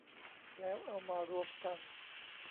แล้วเอามารวมกัน